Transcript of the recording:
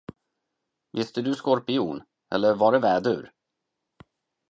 Visst är du skorpion... eller var det vädur?